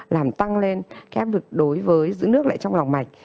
làm tăng lên cái áp lực đối với giữ nước lại trong lòng mạch